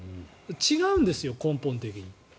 違うんですよ、根本的に。